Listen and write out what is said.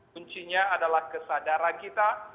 kunci adalah kesadaran kita